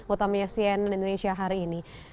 utama scn indonesia hari ini